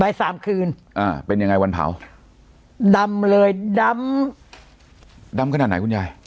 สามคืนอ่าเป็นยังไงวันเผาดำเลยดำดำขนาดไหนคุณยาย